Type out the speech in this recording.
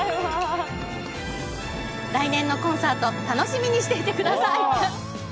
来年のコンサート楽しみにしてください。